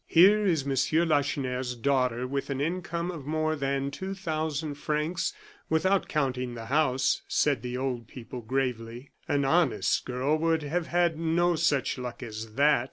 "Here is Monsieur Lacheneur's daughter with an income of more than two thousand francs, without counting the house," said the old people, gravely. "An honest girl would have had no such luck as that!"